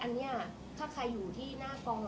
อันนี้ถ้าใครอยู่ที่หน้ากอง